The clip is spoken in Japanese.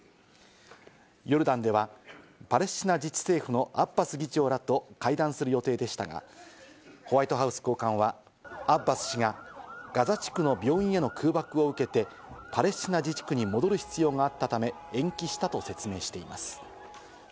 ヨルダンではパレスチナ自治政府のアッバス議長らと会談する予定でしたが、ホワイトハウス高官はアッバス氏がガザ地区の病院への空爆を受けて、パレスチナ自治区に戻る必要があったため延期したと説明しています。